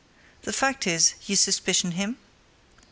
"The fact is, you suspicion him?"